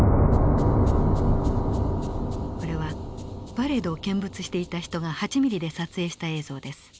これはパレードを見物していた人が８ミリで撮影した映像です。